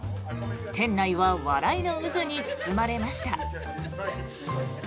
店内は笑いの渦に包まれました。